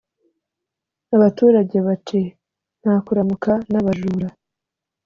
abaturage Bati: "Nta kuramuka n' abajura!"